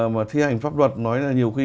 mà thi hành pháp luật nói là nhiều khi